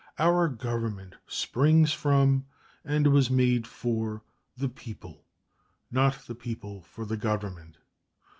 Our Government springs from and was made for the people not the people for the Government.